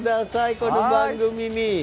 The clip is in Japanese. この番組に。